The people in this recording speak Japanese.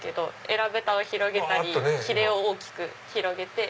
えらぶたを広げたりひれを大きく広げて。